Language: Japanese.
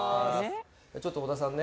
ちょっと小田さんね